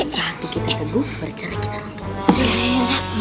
saat kita tegur bercara kita rambut